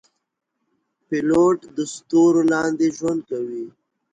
پیلوټ د ستورو لاندې ژوند کوي.